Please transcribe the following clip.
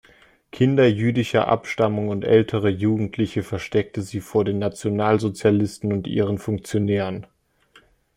Kinder jüdischer Abstammung und ältere Jugendliche versteckte sie vor den Nationalsozialisten und ihren Funktionären.